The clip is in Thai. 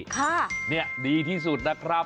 ค่ะนี่ดีที่สุดนะครับ